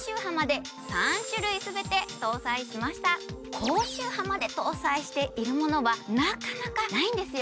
高周波まで搭載しているものは、なかなかないんですよ。